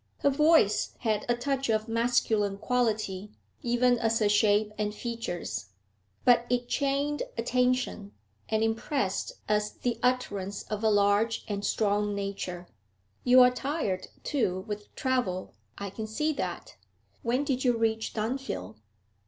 Her voice had a touch of masculine quality, even as her shape and features, but it chained attention, and impressed as the utterance of a large and strong nature. 'You are tired, too, with travel; I can see that. When did you reach Dunfield?'